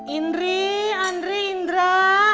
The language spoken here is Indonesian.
indri andri indra